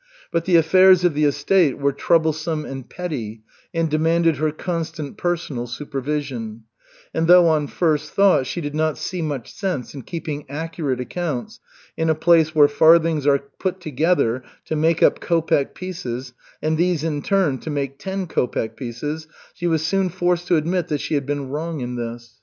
But the affairs of the estate were troublesome and petty, and demanded her constant personal supervision; and though on first thought she did not see much sense in keeping accurate accounts in a place where farthings are put together to make up kopek pieces and these in turn to make ten kopek pieces, she was soon forced to admit that she had been wrong in this.